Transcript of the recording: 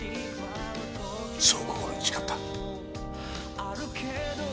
そう心に誓った。